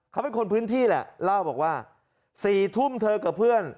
เขาเป็นคนพื้นที่แหละเล่าบอกว่า๔ทุ่มเธอกับเพื่อน